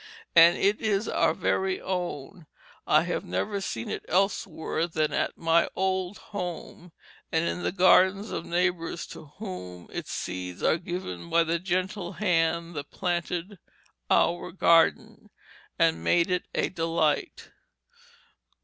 And it is our very own I have never seen it elsewhere than at my old home, and in the gardens of neighbors to whom its seeds were given by the gentle hand that planted "our garden" and made it a delight.